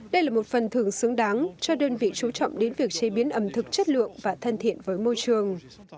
đây là một phần thường xứng đáng cho đơn vị chú trọng đến việc chế biến ẩm thực chất lượng và thân thiện với môi trường